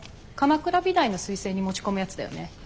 鎌倉美大の推薦に持ち込むやつだよね？